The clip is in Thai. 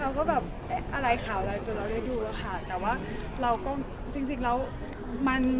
เราก็แบบอะไรข่าวอะ